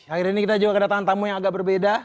akhirnya kita juga kedatangan tamu yang agak berbeda